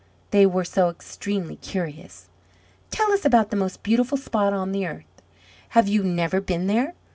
They were so extremely curious. "Tell us about the most beautiful spot on the earth. Have you never been there?